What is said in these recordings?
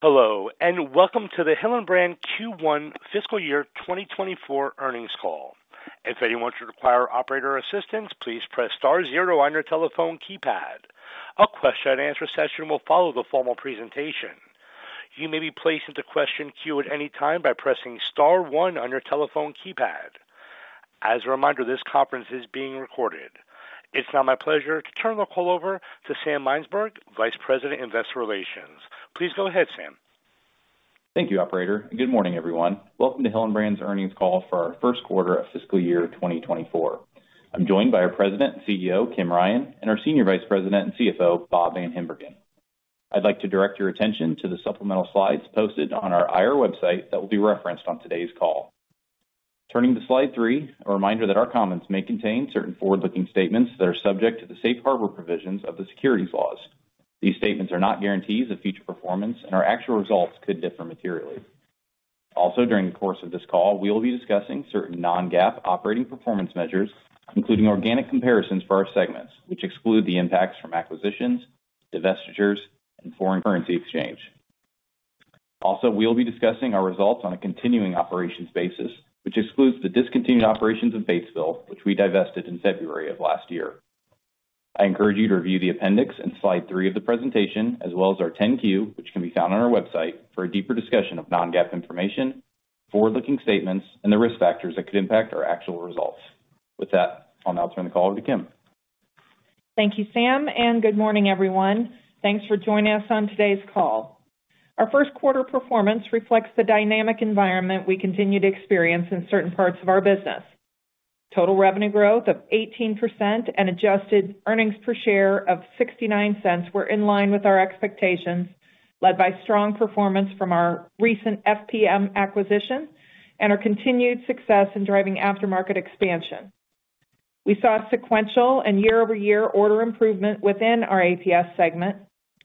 Hello, and welcome to the Hillenbrand Q1 Fiscal Year 2024 earnings call. If anyone should require operator assistance, please press star zero on your telephone keypad. A question-and-answer session will follow the formal presentation. You may be placed into question queue at any time by pressing star one on your telephone keypad. As a reminder, this conference is being recorded. It's now my pleasure to turn the call over to Sam Mynsberge, Vice President, Investor Relations. Please go ahead, Sam. Thank you, Operator, and good morning, everyone. Welcome to Hillenbrand's earnings call for our first quarter of fiscal year 2024. I'm joined by our President and CEO, Kim Ryan, and our Senior Vice President and CFO, Bob VanHimbergen. I'd like to direct your attention to the supplemental slides posted on our IR website that will be referenced on today's call. Turning to Slide 3, a reminder that our comments may contain certain forward-looking statements that are subject to the safe harbor provisions of the securities laws. These statements are not guarantees of future performance, and our actual results could differ materially. Also, during the course of this call, we will be discussing certain non-GAAP operating performance measures, including organic comparisons for our segments, which exclude the impacts from acquisitions, divestitures, and foreign currency exchange. Also, we will be discussing our results on a continuing operations basis, which excludes the discontinued operations of Batesville, which we divested in February of last year. I encourage you to review the appendix in Slide 3 of the presentation, as well as our 10-Q, which can be found on our website for a deeper discussion of non-GAAP information, forward-looking statements, and the risk factors that could impact our actual results. With that, I'll now turn the call over to Kim. Thank you, Sam, and good morning, everyone. Thanks for joining us on today's call. Our first quarter performance reflects the dynamic environment we continue to experience in certain parts of our business. Total revenue growth of 18% and adjusted earnings per share of $0.69 were in line with our expectations, led by strong performance from our recent FPM acquisition and our continued success in driving aftermarket expansion. We saw a sequential and year-over-year order improvement within our APS segment,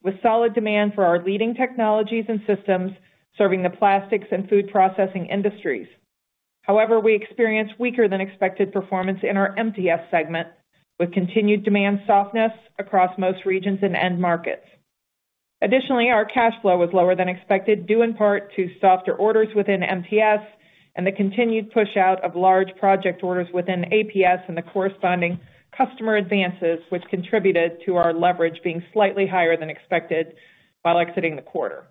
with solid demand for our leading technologies and systems serving the plastics and food processing industries. However, we experienced weaker than expected performance in our MTS segment, with continued demand softness across most regions and end markets. Additionally, our cash flow was lower than expected, due in part to softer orders within MTS and the continued pushout of large project orders within APS and the corresponding customer advances, which contributed to our leverage being slightly higher than expected while exiting the quarter.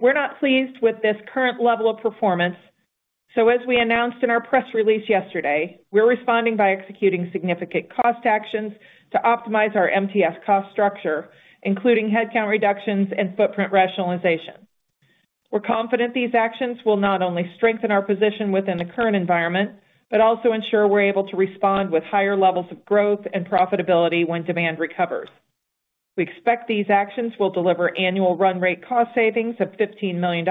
We're not pleased with this current level of performance, so as we announced in our press release yesterday, we're responding by executing significant cost actions to optimize our MTS cost structure, including headcount reductions and footprint rationalization. We're confident these actions will not only strengthen our position within the current environment, but also ensure we're able to respond with higher levels of growth and profitability when demand recovers. We expect these actions will deliver annual run rate cost savings of $15 million,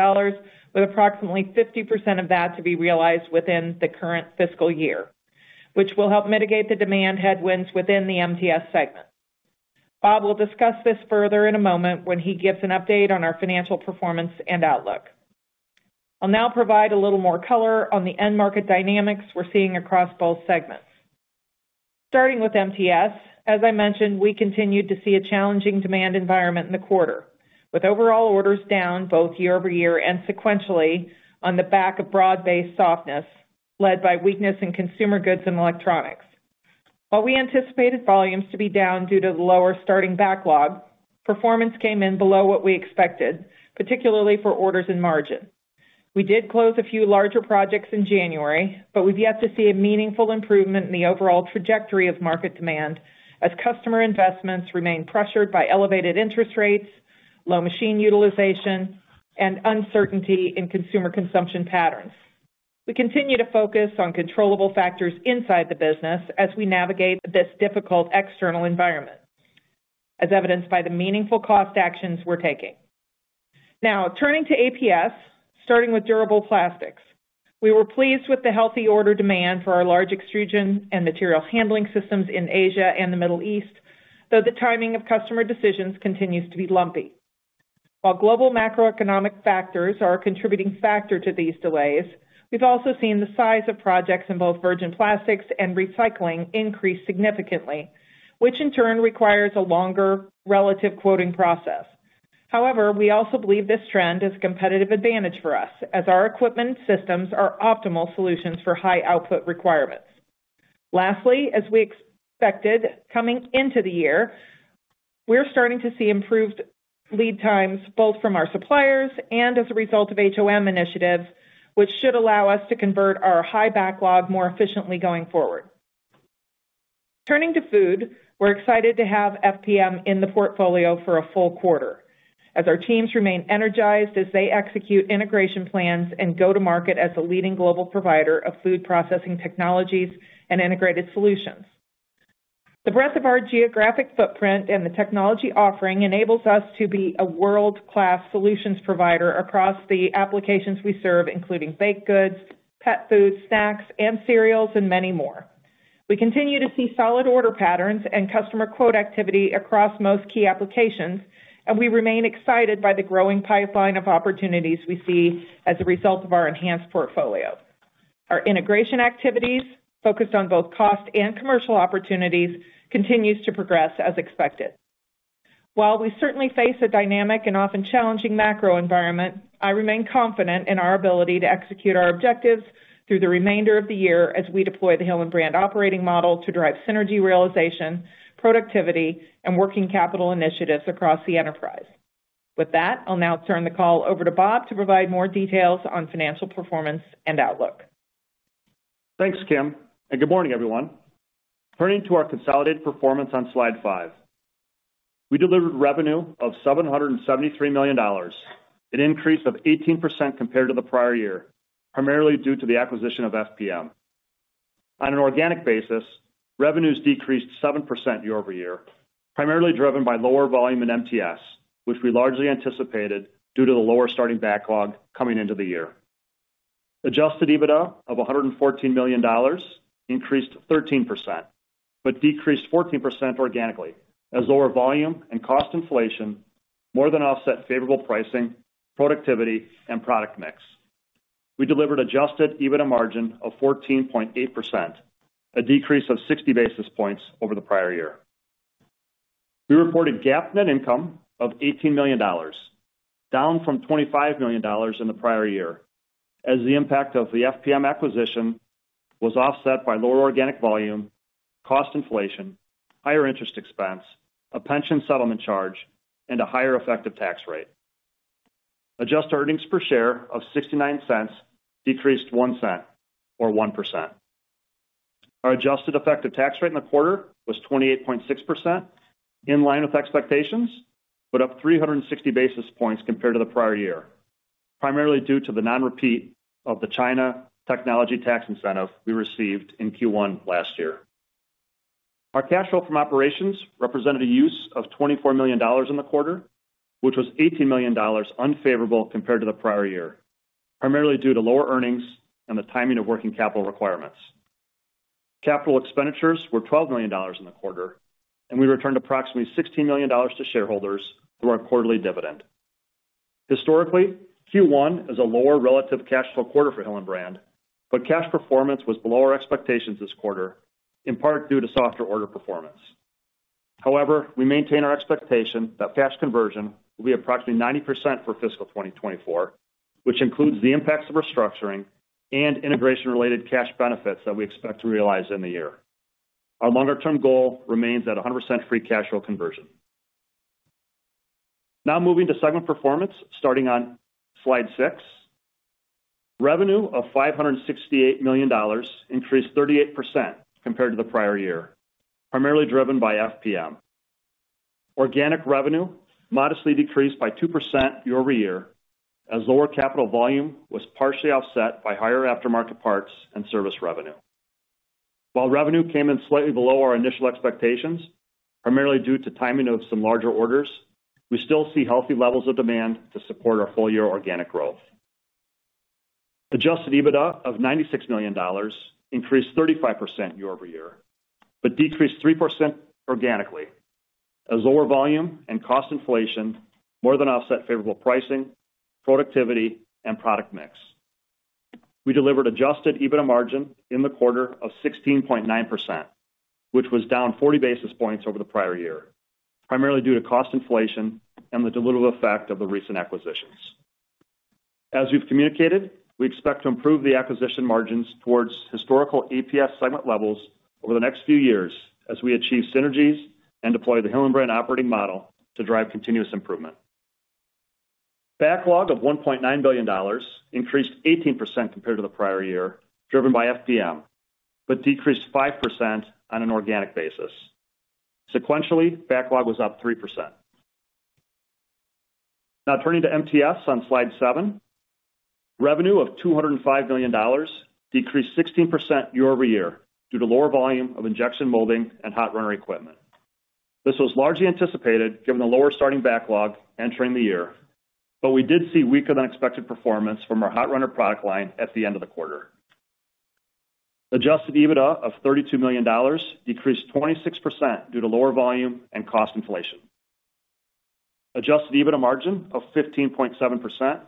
with approximately 50% of that to be realized within the current fiscal year, which will help mitigate the demand headwinds within the MTS segment. Bob will discuss this further in a moment when he gives an update on our financial performance and outlook. I'll now provide a little more color on the end market dynamics we're seeing across both segments. Starting with MTS, as I mentioned, we continued to see a challenging demand environment in the quarter, with overall orders down both year-over-year and sequentially on the back of broad-based softness, led by weakness in consumer goods and electronics. While we anticipated volumes to be down due to lower starting backlog, performance came in below what we expected, particularly for orders and margin. We did close a few larger projects in January, but we've yet to see a meaningful improvement in the overall trajectory of market demand as customer investments remain pressured by elevated interest rates, low machine utilization, and uncertainty in consumer consumption patterns. We continue to focus on controllable factors inside the business as we navigate this difficult external environment, as evidenced by the meaningful cost actions we're taking. Now, turning to APS, starting with durable plastics. We were pleased with the healthy order demand for our large extrusion and material handling systems in Asia and the Middle East, though the timing of customer decisions continues to be lumpy. While global macroeconomic factors are a contributing factor to these delays, we've also seen the size of projects in both virgin plastics and recycling increase significantly, which in turn requires a longer relative quoting process. However, we also believe this trend is a competitive advantage for us, as our equipment systems are optimal solutions for high output requirements. Lastly, as we expected, coming into the year, we're starting to see improved lead times, both from our suppliers and as a result of HOM initiatives, which should allow us to convert our high backlog more efficiently going forward. Turning to food, we're excited to have FPM in the portfolio for a full quarter, as our teams remain energized as they execute integration plans and go to market as a leading global provider of food processing technologies and integrated solutions. The breadth of our geographic footprint and the technology offering enables us to be a world-class solutions provider across the applications we serve, including baked goods, pet food, snacks, and cereals, and many more. We continue to see solid order patterns and customer quote activity across most key applications, and we remain excited by the growing pipeline of opportunities we see as a result of our enhanced portfolio.... Our integration activities, focused on both cost and commercial opportunities, continues to progress as expected. While we certainly face a dynamic and often challenging macro environment, I remain confident in our ability to execute our objectives through the remainder of the year as we deploy the Hillenbrand Operating Model to drive synergy realization, productivity, and working capital initiatives across the enterprise. With that, I'll now turn the call over to Bob to provide more details on financial performance and outlook. Thanks, Kim, and good morning, everyone. Turning to our consolidated performance on Slide 5. We delivered revenue of $773 million, an increase of 18% compared to the prior year, primarily due to the acquisition of FPM. On an organic basis, revenues decreased 7% year-over-year, primarily driven by lower volume in MTS, which we largely anticipated due to the lower starting backlog coming into the year. Adjusted EBITDA of $114 million increased 13%, but decreased 14% organically, as lower volume and cost inflation more than offset favorable pricing, productivity, and product mix. We delivered adjusted EBITDA margin of 14.8%, a decrease of 60 basis points over the prior year. We reported GAAP net income of $18 million, down from $25 million in the prior year, as the impact of the FPM acquisition was offset by lower organic volume, cost inflation, higher interest expense, a pension settlement charge, and a higher effective tax rate. Adjusted earnings per share of $0.69 decreased $0.01, or 1%. Our adjusted effective tax rate in the quarter was 28.6%, in line with expectations, but up 360 basis points compared to the prior year, primarily due to the non-repeat of the China technology tax incentive we received in Q1 last year. Our cash flow from operations represented a use of $24 million in the quarter, which was $18 million unfavorable compared to the prior year, primarily due to lower earnings and the timing of working capital requirements. Capital expenditures were $12 million in the quarter, and we returned approximately $16 million to shareholders through our quarterly dividend. Historically, Q1 is a lower relative cash flow quarter for Hillenbrand, but cash performance was below our expectations this quarter, in part due to softer order performance. However, we maintain our expectation that cash conversion will be approximately 90% for fiscal 2024, which includes the impacts of restructuring and integration-related cash benefits that we expect to realize in the year. Our longer-term goal remains at 100% free cash flow conversion. Now moving to segment performance, starting on Slide 6. Revenue of $568 million increased 38% compared to the prior year, primarily driven by FPM. Organic revenue modestly decreased by 2% year-over-year, as lower capital volume was partially offset by higher aftermarket parts and service revenue. While revenue came in slightly below our initial expectations, primarily due to timing of some larger orders, we still see healthy levels of demand to support our full-year organic growth. Adjusted EBITDA of $96 million increased 35% year-over-year, but decreased 3% organically, as lower volume and cost inflation more than offset favorable pricing, productivity, and product mix. We delivered adjusted EBITDA margin in the quarter of 16.9%, which was down 40 basis points over the prior year, primarily due to cost inflation and the dilutive effect of the recent acquisitions. As we've communicated, we expect to improve the acquisition margins towards historical APS segment levels over the next few years as we achieve synergies and deploy the Hillenbrand Operating Model to drive continuous improvement. Backlog of $1.9 billion increased 18% compared to the prior year, driven by FPM, but decreased 5% on an organic basis. Sequentially, backlog was up 3%. Now turning to MTS on Slide 7. Revenue of $205 million decreased 16% year-over-year due to lower volume of injection molding and hot runner equipment. This was largely anticipated, given the lower starting backlog entering the year, but we did see weaker-than-expected performance from our hot runner product line at the end of the quarter. Adjusted EBITDA of $32 million decreased 26% due to lower volume and cost inflation. Adjusted EBITDA margin of 15.7%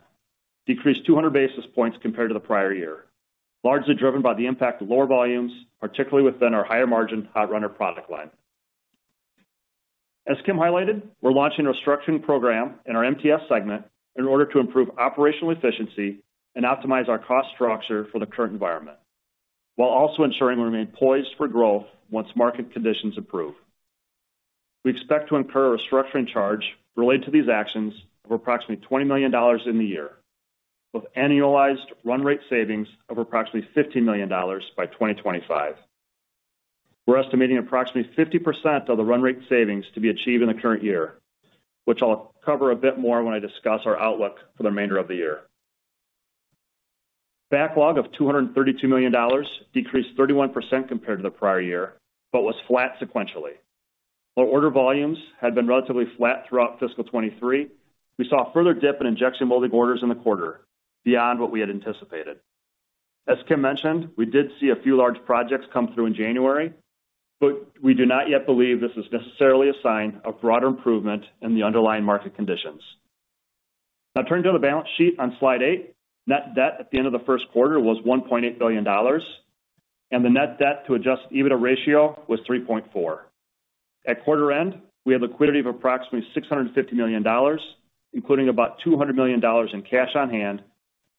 decreased 200 basis points compared to the prior year, largely driven by the impact of lower volumes, particularly within our higher-margin hot runner product line. As Kim highlighted, we're launching a restructuring program in our MTS segment in order to improve operational efficiency and optimize our cost structure for the current environment, while also ensuring we remain poised for growth once market conditions improve. We expect to incur a restructuring charge related to these actions of approximately $20 million in the year, with annualized run rate savings of approximately $50 million by 2025. We're estimating approximately 50% of the run rate savings to be achieved in the current year, which I'll cover a bit more when I discuss our outlook for the remainder of the year. Backlog of $232 million decreased 31% compared to the prior year, but was flat sequentially. While order volumes had been relatively flat throughout fiscal 2023, we saw a further dip in injection molding orders in the quarter beyond what we had anticipated. As Kim mentioned, we did see a few large projects come through in January, but we do not yet believe this is necessarily a sign of broader improvement in the underlying market conditions... Now turning to the balance sheet on Slide 8. Net debt at the end of the first quarter was $1.8 billion, and the net debt to adjusted EBITDA ratio was 3.4. At quarter end, we have liquidity of approximately $650 million, including about $200 million in cash on hand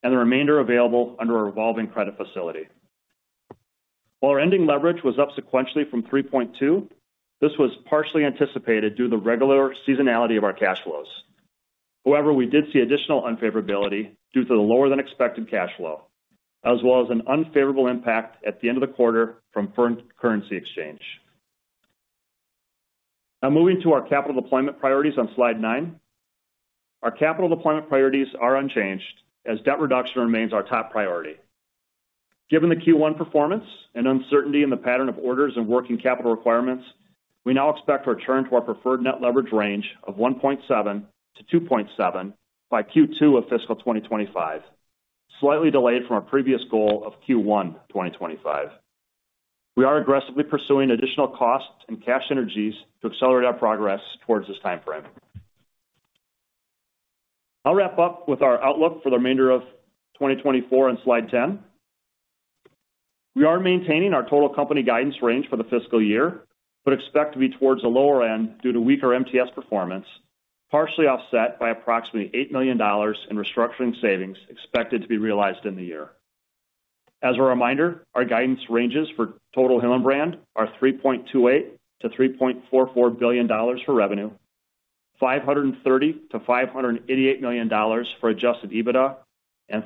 and the remainder available under a revolving credit facility. While our ending leverage was up sequentially from 3.2, this was partially anticipated due to the regular seasonality of our cash flows. However, we did see additional unfavorability due to the lower than expected cash flow, as well as an unfavorable impact at the end of the quarter from foreign-currency exchange. Now moving to our capital deployment priorities on Slide 9. Our capital deployment priorities are unchanged, as debt reduction remains our top priority. Given the Q1 performance and uncertainty in the pattern of orders and working capital requirements, we now expect to return to our preferred net leverage range of 1.7-2.7 by Q2 of fiscal 2025, slightly delayed from our previous goal of Q1 2025. We are aggressively pursuing additional costs and cash synergies to accelerate our progress towards this time frame. I'll wrap up with our outlook for the remainder of 2024 on slide 10. We are maintaining our total company guidance range for the fiscal year, but expect to be towards the lower end due to weaker MTS performance, partially offset by approximately $8 million in restructuring savings expected to be realized in the year. As a reminder, our guidance ranges for total Hillenbrand are $3.28-$3.44 billion for revenue, $530-$588 million for adjusted EBITDA and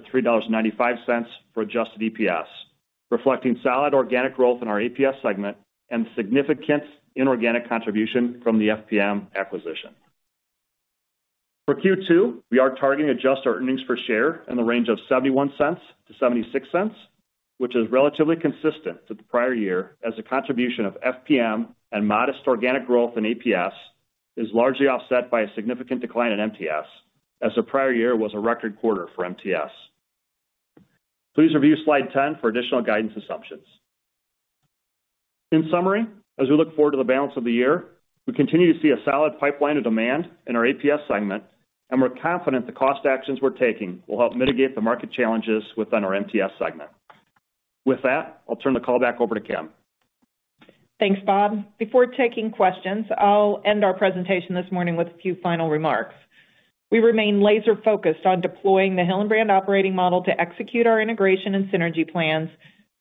$3.60-$3.95 for adjusted EPS, reflecting solid organic growth in our APS segment and significant inorganic contribution from the FPM acquisition. For Q2, we are targeting adjusted our earnings per share in the range of $0.71-$0.76, which is relatively consistent to the prior year, as the contribution of FPM and modest organic growth in APS is largely offset by a significant decline in MTS, as the prior year was a record quarter for MTS. Please review Slide 10 for additional guidance assumptions. In summary, as we look forward to the balance of the year, we continue to see a solid pipeline of demand in our APS segment, and we're confident the cost actions we're taking will help mitigate the market challenges within our MTS segment. With that, I'll turn the call back over to Kim. Thanks, Bob. Before taking questions, I'll end our presentation this morning with a few final remarks. We remain laser focused on deploying the Hillenbrand Operating Model to execute our integration and synergy plans,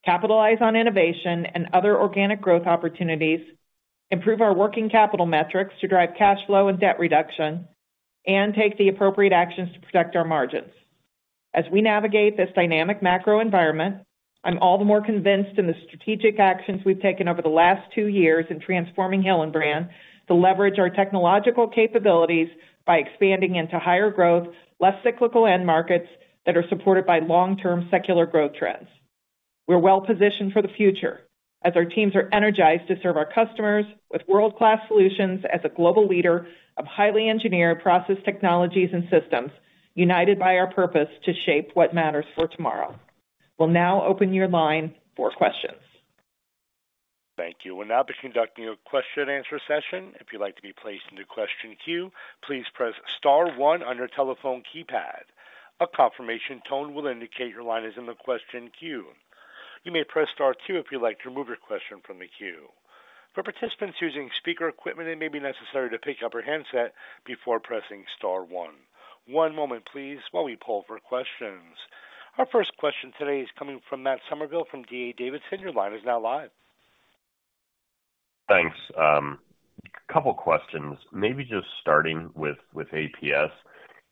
capitalize on innovation and other organic growth opportunities, improve our working capital metrics to drive cash flow and debt reduction, and take the appropriate actions to protect our margins. As we navigate this dynamic macro environment, I'm all the more convinced in the strategic actions we've taken over the last two years in transforming Hillenbrand to leverage our technological capabilities by expanding into higher growth, less cyclical end markets that are supported by long-term secular growth trends. We're well positioned for the future as our teams are energized to serve our customers with world-class solutions as a global leader of highly engineered process technologies and systems, united by our purpose to shape what matters for tomorrow. We'll now open your line for questions. Thank you. We'll now be conducting a question and answer session. If you'd like to be placed into question queue, please press star one on your telephone keypad. A confirmation tone will indicate your line is in the question queue. You may press star two if you'd like to remove your question from the queue. For participants using speaker equipment, it may be necessary to pick up your handset before pressing star one. One moment please, while we poll for questions. Our first question today is coming from Matt Somerville from D.A. Davidson. Your line is now live. Thanks. A couple questions. Maybe just starting with APS.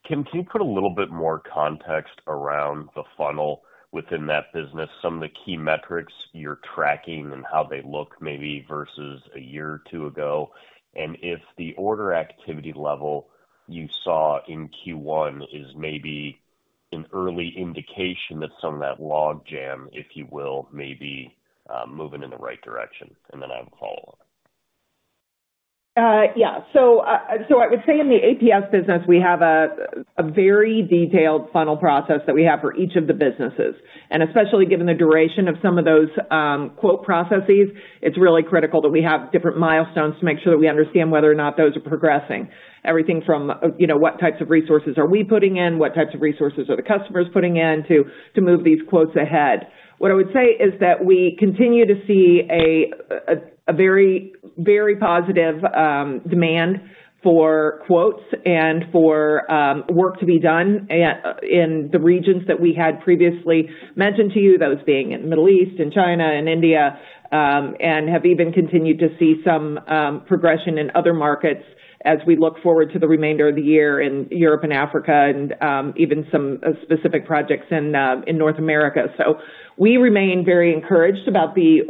Kim, can you put a little bit more context around the funnel within that business, some of the key metrics you're tracking and how they look maybe versus a year or two ago? And if the order activity level you saw in Q1 is maybe an early indication that some of that logjam, if you will, may be moving in the right direction, and then I have a follow-up. Yeah. So, I would say in the APS business, we have a very detailed funnel process that we have for each of the businesses, and especially given the duration of some of those quote processes, it's really critical that we have different milestones to make sure that we understand whether or not those are progressing. Everything from, you know, what types of resources are we putting in, what types of resources are the customers putting in to move these quotes ahead. What I would say is that we continue to see a very, very positive demand for quotes and for work to be done in the regions that we had previously mentioned to you, those being in Middle East and China and India, and have even continued to see some progression in other markets as we look forward to the remainder of the year in Europe and Africa and even some specific projects in North America. So we remain very encouraged about the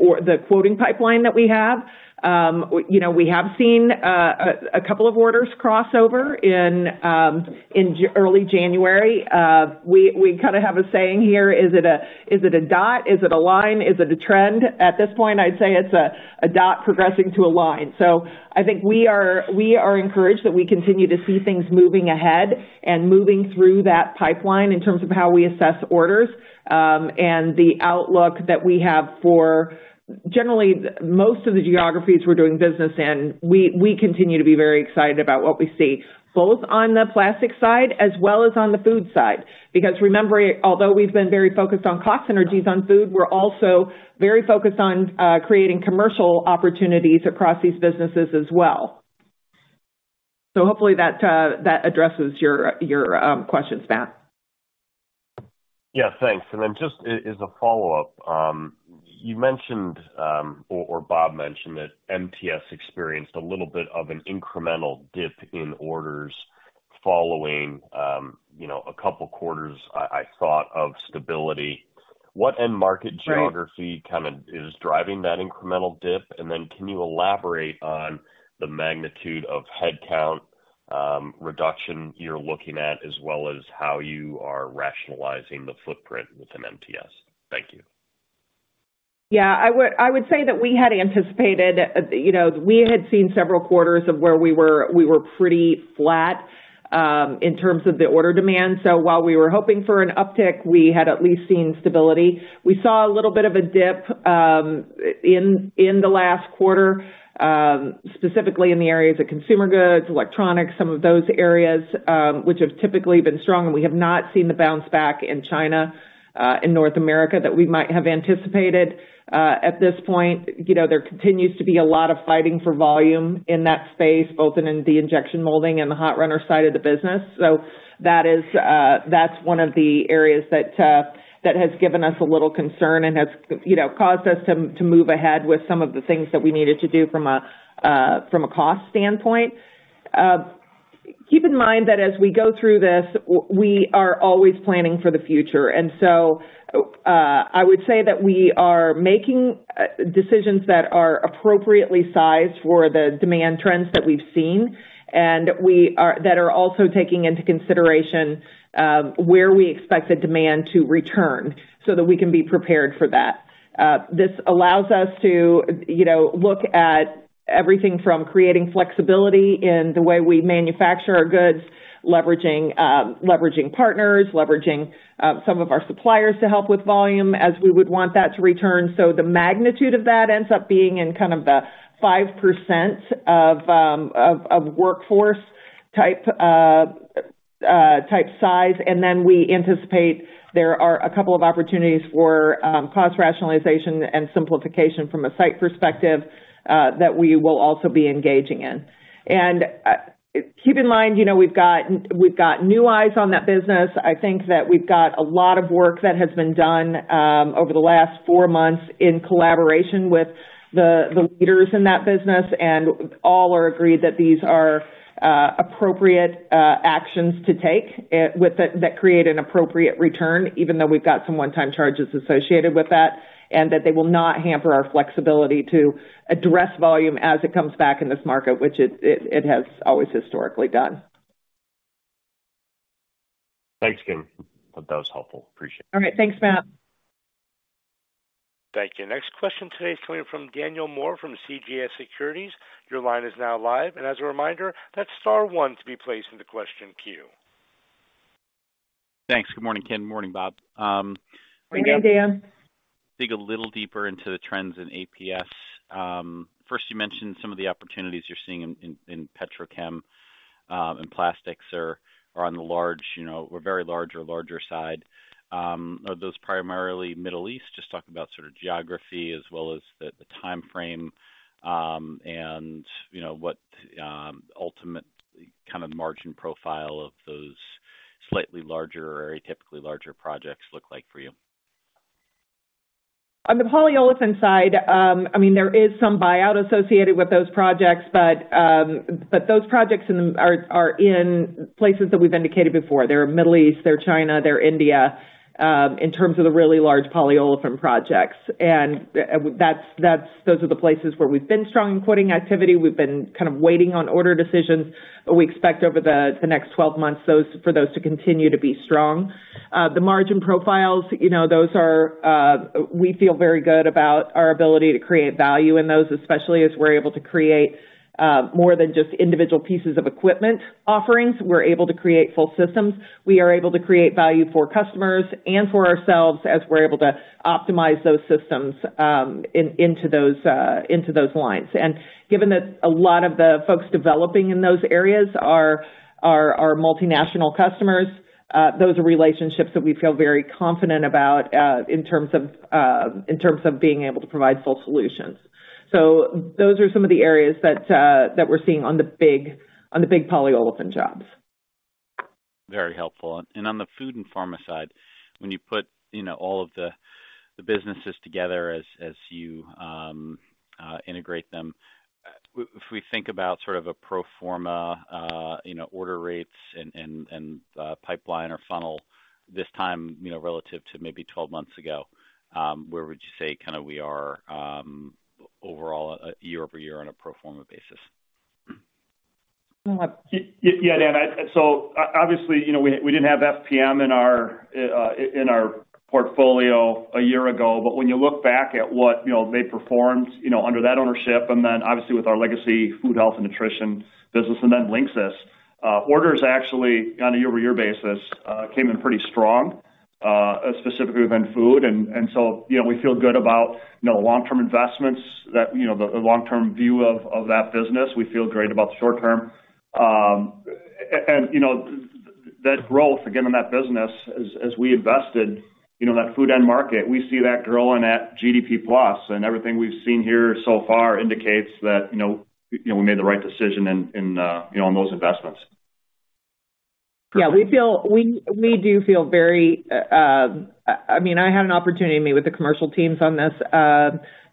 quoting pipeline that we have. You know, we have seen a couple of orders cross over in early January. We kind of have a saying here: is it a dot? Is it a line? Is it a trend? At this point, I'd say it's a dot progressing to a line. So I think we are encouraged that we continue to see things moving ahead and moving through that pipeline in terms of how we assess orders, and the outlook that we have for generally, most of the geographies we're doing business in, we continue to be very excited about what we see, both on the plastic side as well as on the food side. Because remember, although we've been very focused on cost synergies on food, we're also very focused on creating commercial opportunities across these businesses as well. So hopefully that addresses your questions, Matt. Yeah, thanks. And then just as a follow-up, you mentioned or Bob mentioned that MTS experienced a little bit of an incremental dip in orders following, you know, a couple quarters, I thought of stability. What end market geography- Right Kind of, is driving that incremental dip? And then can you elaborate on the magnitude of headcount reduction you're looking at, as well as how you are rationalizing the footprint within MTS? Thank you. Yeah, I would, I would say that we had anticipated, you know, we had seen several quarters of where we were, we were pretty flat in terms of the order demand. So while we were hoping for an uptick, we had at least seen stability. We saw a little bit of a dip in the last quarter, specifically in the areas of consumer goods, electronics, some of those areas, which have typically been strong, and we have not seen the bounce back in China, in North America, that we might have anticipated. At this point, you know, there continues to be a lot of fighting for volume in that space, both in the injection molding and the Hot runner side of the business. So that is, that's one of the areas that has given us a little concern and has, you know, caused us to move ahead with some of the things that we needed to do from a cost standpoint. Keep in mind that as we go through this, we are always planning for the future. And so, I would say that we are making decisions that are appropriately sized for the demand trends that we've seen, and that are also taking into consideration where we expect the demand to return, so that we can be prepared for that. This allows us to, you know, look at everything from creating flexibility in the way we manufacture our goods, leveraging partners, leveraging some of our suppliers to help with volume, as we would want that to return. So the magnitude of that ends up being in kind of the 5% of workforce type size. And then we anticipate there are a couple of opportunities for cost rationalization and simplification from a site perspective that we will also be engaging in. And keep in mind, you know, we've got new eyes on that business. I think that we've got a lot of work that has been done over the last four months in collaboration with the leaders in that business, and all are agreed that these are appropriate actions to take with that create an appropriate return, even though we've got some one-time charges associated with that, and that they will not hamper our flexibility to address volume as it comes back in this market, which it has always historically done. Thanks, Kim. That was helpful. Appreciate it. All right. Thanks, Matt. Thank you. Next question today is coming from Daniel Moore from CJS Securities. Your line is now live. As a reminder, that's star one to be placed in the question queue. Thanks. Good morning, Kin. Morning, Bob. Good morning, Dan. Dig a little deeper into the trends in APS. First, you mentioned some of the opportunities you're seeing in petrochem and plastics are on the large, you know, or very large or larger side. Are those primarily Middle East? Just talk about sort of geography as well as the time frame, and you know, what ultimate kind of margin profile of those slightly larger or atypically larger projects look like for you? On the polyolefin side, I mean, there is some buyout associated with those projects, but those projects in them are in places that we've indicated before. They're Middle East, they're China, they're India, in terms of the really large polyolefin projects. And that's those are the places where we've been strong in quoting activity. We've been kind of waiting on order decisions, but we expect over the next 12 months, those to continue to be strong. The margin profiles, you know, those are we feel very good about our ability to create value in those, especially as we're able to create more than just individual pieces of equipment offerings. We're able to create full systems. We are able to create value for customers and for ourselves as we're able to optimize those systems into those lines. And given that a lot of the folks developing in those areas are multinational customers, those are relationships that we feel very confident about in terms of being able to provide full solutions. So those are some of the areas that we're seeing on the big polyolefin jobs. Very helpful. On the food and pharma side, when you put, you know, all of the businesses together as you integrate them, if we think about sort of a pro forma, you know, order rates and pipeline or funnel this time, you know, relative to maybe 12 months ago, where would you say kind of we are overall, year over year on a pro forma basis? Uh- Yeah, Dan, so obviously, you know, we didn't have FPM in our portfolio a year ago, but when you look back at what, you know, they performed, you know, under that ownership, and then obviously with our legacy food, health, and nutrition business, and then Linxis, orders actually on a year-over-year basis came in pretty strong, specifically within food. And so, you know, we feel good about, you know, long-term investments that, you know, the long-term view of that business. We feel great about the short term. And, you know, that growth, again, in that business, as we invested, you know, in that food end market, we see that growing at GDP plus. Everything we've seen here so far indicates that, you know, you know, we made the right decision in, you know, on those investments. Yeah, we feel—we do feel very, I mean, I had an opportunity to meet with the commercial teams on this,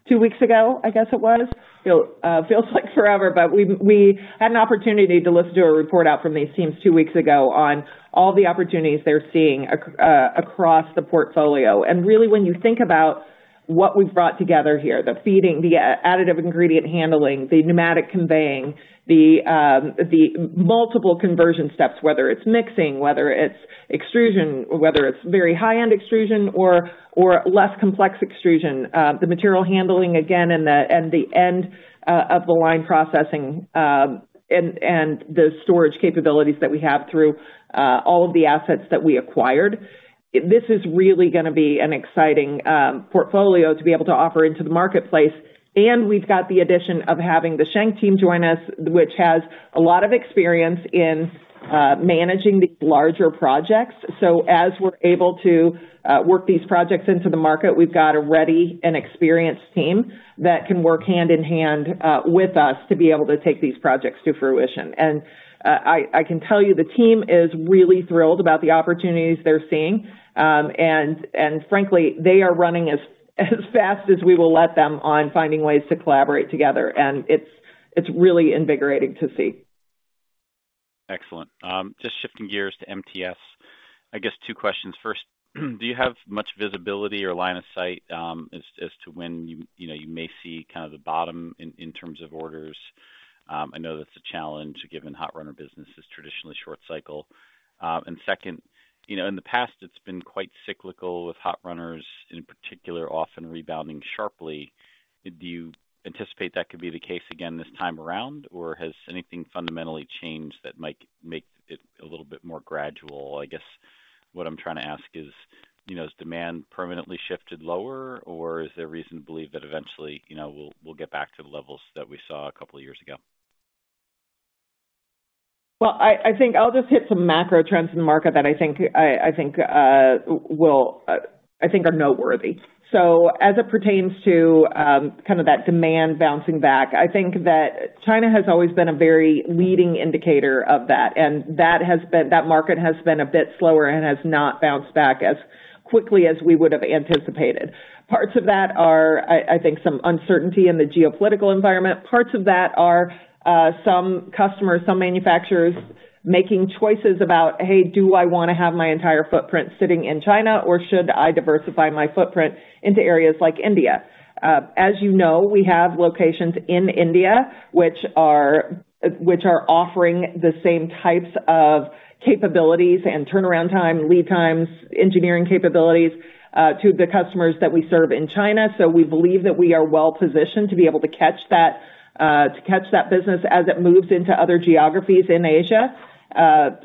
two weeks ago, I guess it was. Feels like forever, but we had an opportunity to listen to a report out from these teams two weeks ago on all the opportunities they're seeing across the portfolio. And really, when you think about what we've brought together here, the feeding, the additive ingredient handling, the pneumatic conveying, the multiple conversion steps, whether it's mixing, whether it's extrusion, whether it's very high-end extrusion or less complex extrusion. The material handling again, and the, and the end of the line processing, and the storage capabilities that we have through all of the assets that we acquired, this is really gonna be an exciting portfolio to be able to offer into the marketplace. And we've got the addition of having the Schenck team join us, which has a lot of experience in managing these larger projects. So as we're able to work these projects into the market, we've got a ready and experienced team that can work hand in hand with us to be able to take these projects to fruition. And I can tell you, the team is really thrilled about the opportunities they're seeing. And frankly, they are running as fast as we will let them on finding ways to collaborate together, and it's really invigorating to see. Excellent. Just shifting gears to MTS. I guess two questions. First, do you have much visibility or line of sight, as to when you know you may see kind of the bottom in terms of orders? I know that's a challenge, given hot runner business is traditionally short cycle. And second, you know, in the past, it's been quite cyclical, with hot runners in particular, often rebounding sharply. Do you anticipate that could be the case again this time around, or has anything fundamentally changed that might make it a little bit more gradual? I guess what I'm trying to ask is, you know, has demand permanently shifted lower, or is there reason to believe that eventually, you know, we'll get back to the levels that we saw a couple of years ago? Well, I think I'll just hit some macro trends in the market that I think, I think will, I think are noteworthy. So as it pertains to, kind of that demand bouncing back, I think that China has always been a very leading indicator of that, and that has been, that market has been a bit slower and has not bounced back as quickly as we would have anticipated. Parts of that are, I think, some uncertainty in the geopolitical environment. Parts of that are, some customers, some manufacturers making choices about, "Hey, do I wanna have my entire footprint sitting in China, or should I diversify my footprint into areas like India?" As you know, we have locations in India, which are offering the same types of capabilities and turnaround time, lead times, engineering capabilities, to the customers that we serve in China. So we believe that we are well positioned to be able to catch that, to catch that business as it moves into other geographies in Asia.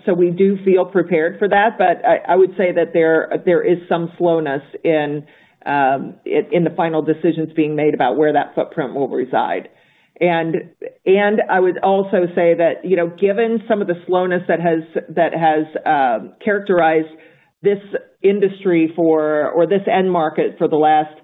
So we do feel prepared for that, but I would say that there is some slowness in the final decisions being made about where that footprint will reside. And I would also say that, you know, given some of the slowness that has characterized this industry for, or this end market for the last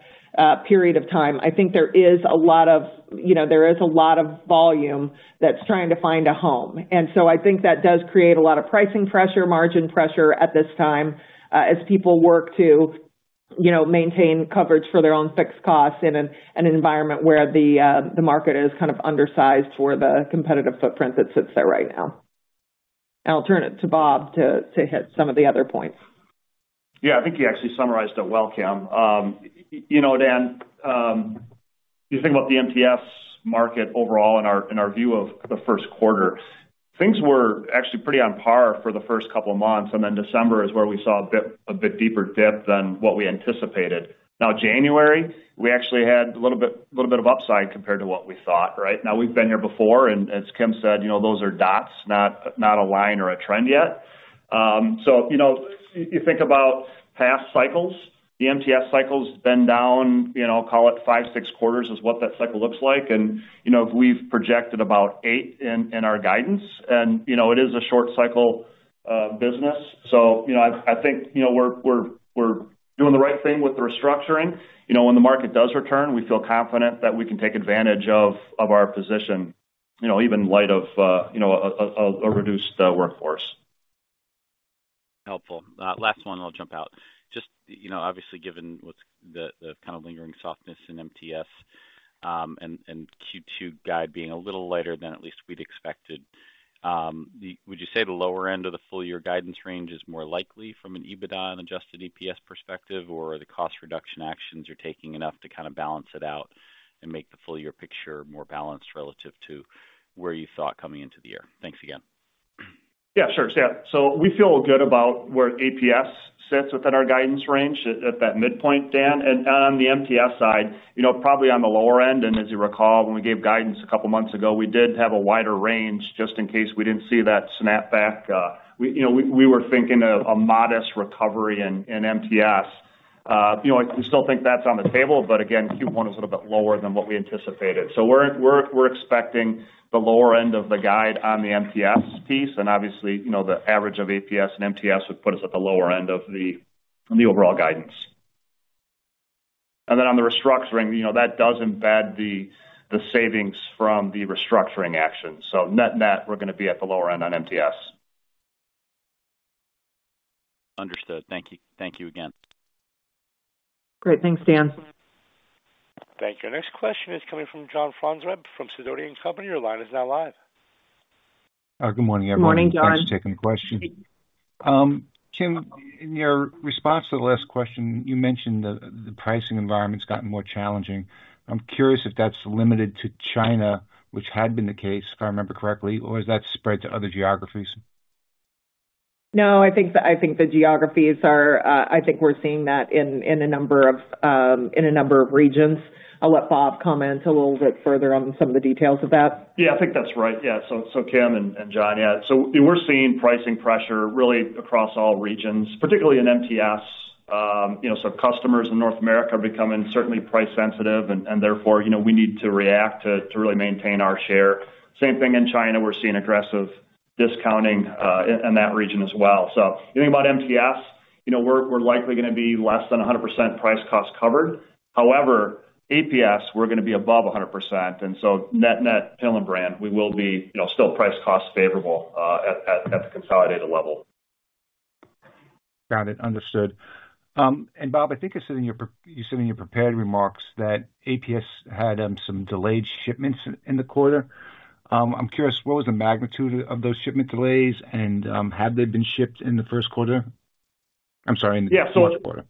period of time, I think there is a lot of, you know, there is a lot of volume that's trying to find a home. And so I think that does create a lot of pricing pressure, margin pressure at this time, as people work to, you know, maintain coverage for their own fixed costs in an environment where the market is kind of undersized for the competitive footprint that sits there right now. I'll turn it to Bob to hit some of the other points. Yeah, I think you actually summarized it well, Kim. You know, Dan, you think about the MTS market overall in our view of the first quarter, things were actually pretty on par for the first couple of months, and then December is where we saw a bit deeper dip than what we anticipated. Now, January, we actually had a little bit of upside compared to what we thought, right? Now, we've been here before, and as Kim said, you know, those are dots, not a line or a trend yet. So you know, you think about past cycles, the MTS cycle's been down, you know, call it 5-6 quarters, is what that cycle looks like. And you know, we've projected about 8 in our guidance, and you know, it is a short cycle business. You know, I think, you know, we're doing the right thing with the restructuring. You know, when the market does return, we feel confident that we can take advantage of our position, you know, even in light of a reduced workforce. Helpful. Last one, and I'll jump out. Just, you know, obviously, given the kind of lingering softness in MTS, and Q2 guide being a little lighter than at least we'd expected, would you say the lower end of the full year guidance range is more likely from an EBITDA and adjusted EPS perspective, or the cost reduction actions you're taking enough to kind of balance it out and make the full year picture more balanced relative to where you thought coming into the year? Thanks again. Yeah, sure. Yeah, so we feel good about where APS sits within our guidance range at that midpoint, Dan. And the MTS side, you know, probably on the lower end, and as you recall, when we gave guidance a couple months ago, we did have a wider range just in case we didn't see that snapback. We, you know, were thinking of a modest recovery in MTS. You know, I still think that's on the table, but again, Q1 is a little bit lower than what we anticipated. So we're expecting the lower end of the guide on the MTS piece, and obviously, you know, the average of APS and MTS would put us at the lower end of the overall guidance. And then on the restructuring, you know, that does embed the savings from the restructuring action. So net-net, we're gonna be at the lower end on MTS. Understood. Thank you. Thank you again. Great. Thanks, Dan. Thank you. Our next question is coming from John Franzreb from Sidoti & Company. Your line is now live. Good morning, everyone. Good morning, John. Thanks for taking the question. Kim, in your response to the last question, you mentioned the pricing environment's gotten more challenging. I'm curious if that's limited to China, which had been the case, if I remember correctly, or has that spread to other geographies? No, I think the, I think the geographies are. I think we're seeing that in, in a number of, in a number of regions. I'll let Bob comment a little bit further on some of the details of that. Yeah, I think that's right. Yeah, so Kim and John, yeah. So we're seeing pricing pressure really across all regions, particularly in MTS. You know, so customers in North America are becoming certainly price sensitive and therefore, you know, we need to react to really maintain our share. Same thing in China, we're seeing aggressive discounting in that region as well. So anything about MTS, you know, we're likely gonna be less than 100% price cost covered. However, APS, we're gonna be above 100%, and so net-net Hillenbrand, we will be, you know, still price cost favorable at the consolidated level. Got it. Understood. Bob, I think you said in your prepared remarks that APS had some delayed shipments in the quarter. I'm curious, what was the magnitude of those shipment delays, and have they been shipped in the first quarter? I'm sorry, in the fourth quarter.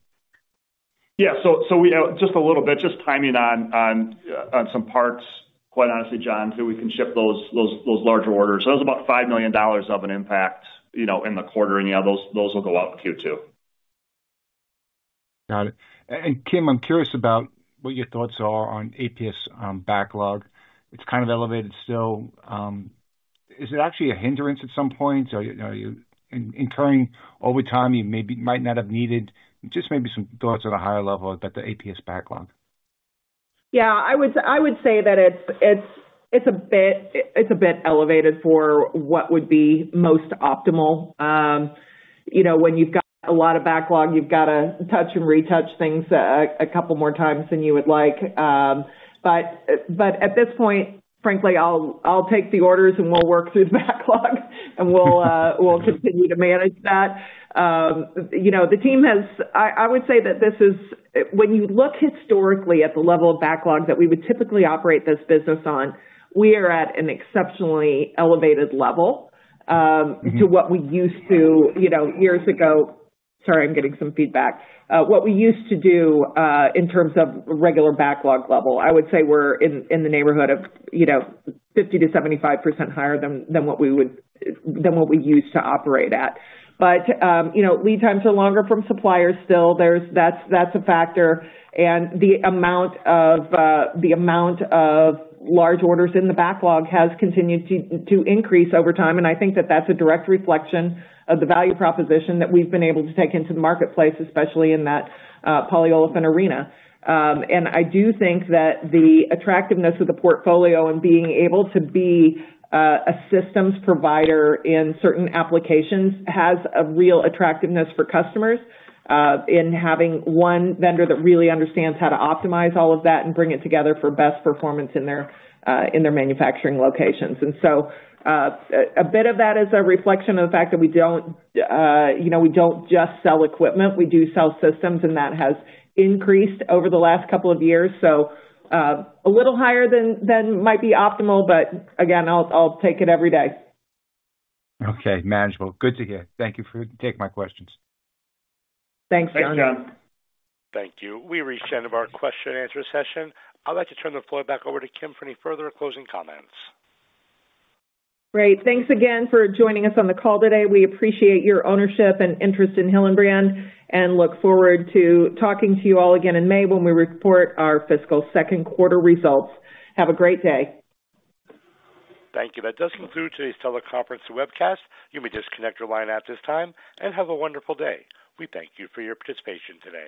Yeah, so we have just a little bit, just timing on some parts, quite honestly, John, so we can ship those larger orders. So it was about $5 million of an impact, you know, in the quarter, and yeah, those will go out in Q2. Got it. And, Kim, I'm curious about what your thoughts are on APS backlog. It's kind of elevated still. Is it actually a hindrance at some point? Are you incurring overtime you maybe might not have needed? Just maybe some thoughts at a higher level about the APS backlog. Yeah, I would say that it's a bit elevated for what would be most optimal. You know, when you've got a lot of backlog, you've got to touch and retouch things a couple more times than you would like. But at this point, frankly, I'll take the orders, and we'll work through the backlog, and we'll continue to manage that. You know, the team has... I would say that this is, when you look historically at the level of backlog that we would typically operate this business on, we are at an exceptionally elevated level. Mm-hmm. -to what we used to, you know, years ago. Sorry, I'm getting some feedback. What we used to do, in terms of regular backlog level, I would say we're in the neighborhood of, you know, 50%-75% higher than what we would, than what we used to operate at. But, you know, lead times are longer from suppliers still. That's a factor. And the amount of the amount of large orders in the backlog has continued to increase over time, and I think that that's a direct reflection of the value proposition that we've been able to take into the marketplace, especially in that Polyolefin arena. And I do think that the attractiveness of the portfolio and being able to be a systems provider in certain applications has a real attractiveness for customers in having one vendor that really understands how to optimize all of that and bring it together for best performance in their manufacturing locations. And so, a bit of that is a reflection of the fact that we don't, you know, we don't just sell equipment, we do sell systems, and that has increased over the last couple of years. So, a little higher than might be optimal, but again, I'll take it every day. Okay, manageable. Good to hear. Thank you for taking my questions. Thanks, John. Thanks, John. Thank you. We've reached the end of our question and answer session. I'd like to turn the floor back over to Kim for any further closing comments. Great. Thanks again for joining us on the call today. We appreciate your ownership and interest in Hillenbrand, and look forward to talking to you all again in May when we report our fiscal second quarter results. Have a great day. Thank you. That does conclude today's teleconference webcast. You may disconnect your line at this time, and have a wonderful day. We thank you for your participation today.